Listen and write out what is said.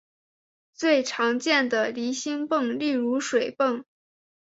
最常见的离心泵例如水泵。